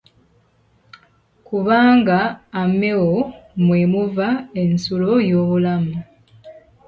Kubamga ameo mwemuva ensuulo y'obulamu .